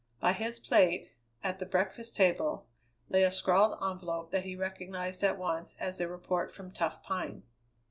By his plate, at the breakfast table, lay a scrawled envelope that he recognized at once as a report from Tough Pine.